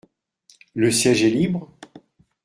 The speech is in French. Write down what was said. Le siège est libre ?